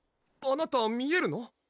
あなた見えるの？